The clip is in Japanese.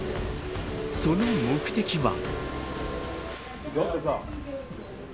その目的は。